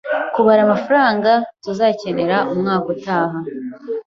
Kubara amafaranga tuzakenera umwaka utaha